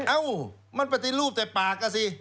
เอ้ามันปฏิรูปแต่ปากอ่ะสิ